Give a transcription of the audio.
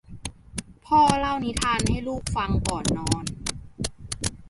พ่อเล่านิทานให้ลูกฟังก่อนนอน